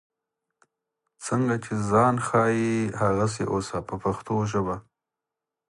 څنګه چې ځان ښیې هغسې اوسه په پښتو ژبه.